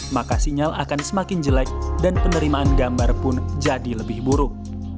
maka sinyal akan semakin jelek dan penerimaan gambar pun jadi lebih buruk